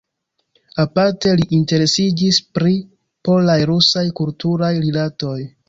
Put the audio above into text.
Aparte li interesiĝis pri polaj-rusaj kulturaj rilatoj.